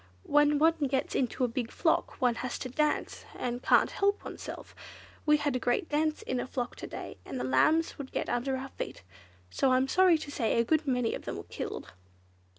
When one gets into a big flock, one has to dance, one can't help oneself. We had a great dance in a flock to day, and the lambs would get under our feet, so I'm sorry to say a good many of them were killed."